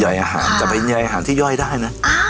อาหารแต่เป็นใยอาหารที่ย่อยได้นะ